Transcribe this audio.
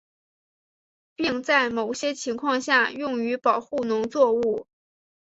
并在某些情况下用于保护农作物。